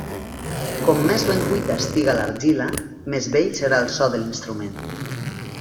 Com més ben cuita estigui l'argila, més bell serà el so de l'instrument.